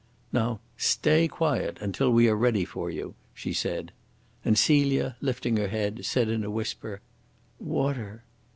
"Now stay quiet until we are ready for you," she said. And Celia, lifting her head, said in a whisper: "Water!"